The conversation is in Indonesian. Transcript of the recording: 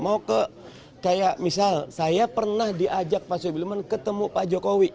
mau ke kayak misal saya pernah diajak pak soebul iman ketemu pak jokowi